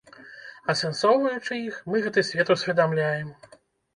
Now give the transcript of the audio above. Асэнсоўваючы іх, мы гэты свет усведамляем.